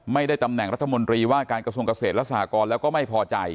ไม่ได้ตำแหน่งรัฐมนตรีว่าการกระทรวงเกษตรและสหกรแล้วก็ไม่พอใจ